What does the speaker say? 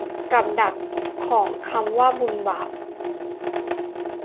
กับดักของคำว่าบุญบาป